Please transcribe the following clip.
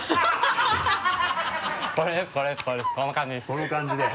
この感じで？